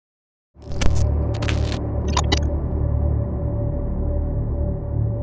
สุดท้ายสุดท้ายสุดท้ายสุดท้าย